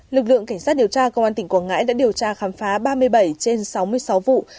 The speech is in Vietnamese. lực lượng cảnh sát điều tra công an tỉnh quảng ngãi đã điều tra khám phá ba mươi bảy trên sáu mươi sáu vụ